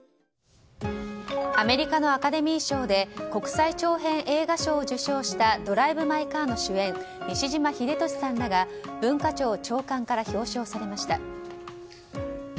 アメリカのアカデミー賞で国際長編映画賞を受賞した「ドライブ・マイ・カー」の主演・西島秀俊さんらが文化庁長官から表彰されました。